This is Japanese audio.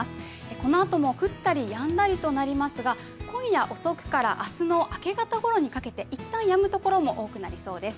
このあとも降ったりやんだりとなりますが、今夜遅くから明日の明け方ごろにかけて一旦やむところも多くなりそうです。